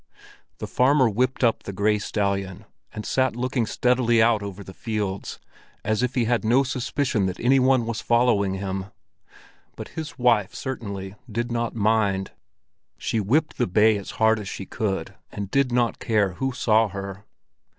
The farmer whipped up the gray stallion, and sat looking steadily out over the fields, as if he had no suspicion that any one was following him; but his wife certainly did not mind. She whipped the bay as hard as she could, and did not care who saw her.